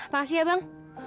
makasih ya bang